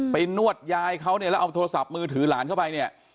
นวดยายเขาเนี่ยแล้วเอาโทรศัพท์มือถือหลานเข้าไปเนี่ย